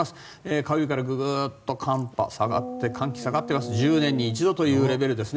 火曜日からググッと寒波、寒気が下がって１０年に一度というレベルですね。